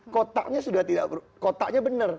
kotaknya sudah tidak kotaknya benar